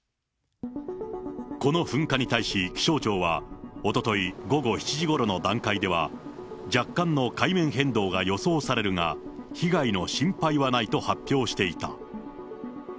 この噴火に対し気象庁は、おととい午後７時ごろの段階では、若干の海面変動が予想されるが、被害の心配はないと発表していた。